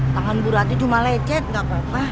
tangan ibu ratu cuma lecet gak apa apa